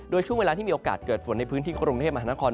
โดยช่วงเวลาที่มีโอกาสเกิดฝนในพื้นที่กรุงเทพมหานคร